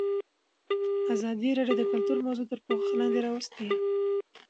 ازادي راډیو د کلتور موضوع تر پوښښ لاندې راوستې.